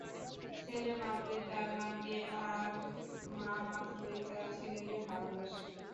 ছেলে মাত্রই তার মাকে আর মা মাত্রই তার ছেলেকে ভালোবাসে।